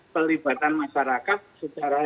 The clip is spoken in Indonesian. pelibatan masyarakat secara